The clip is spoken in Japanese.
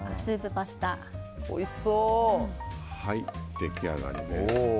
出来上がりです。